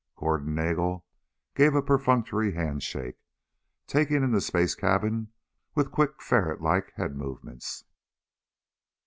Gordon Nagel gave a perfunctory handshake, taking in the space cabin with quick ferret like head movements.